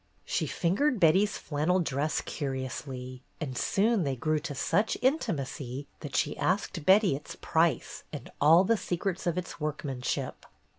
She fingered Betty's flannel dress curiously, and soon they grew to such intimacy that she asked Betty its price and all the secrets of its workmanship.